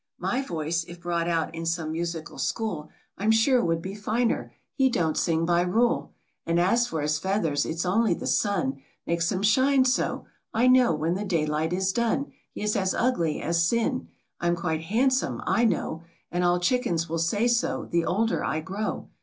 My voice, if brought out in some musical school, I'm sure would be finer. He don't sing by rule ; And as for his feathers, it's only the sun Makes them shine so. I know when the daylight is done, He's as ugly as sin. I'm quite handsome, I know; And all chickens will say so, the older I grow.